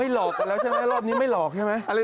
หลอกกันแล้วใช่ไหมรอบนี้ไม่หลอกใช่ไหม